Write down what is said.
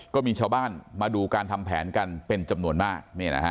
ก็มีชาวบ้านมาดูการทำแผนกันเป็นจำนวนมาก